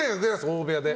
大部屋で。